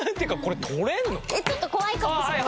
ちょっと怖いかもしれない。